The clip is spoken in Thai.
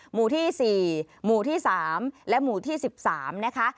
หมู่ที่๔หมู่ที่๓และหมู่ที่๑๓นะคะ